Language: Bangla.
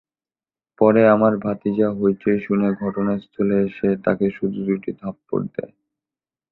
পরে আমার ভাতিজা হইচই শুনে ঘটনাস্থলে এসে তাঁকে শুধু দুটি থাপড় দেয়।